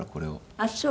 あっそう。